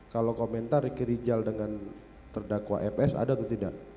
kalau komentar ricky rijal dengan terdakwa fs ada atau tidak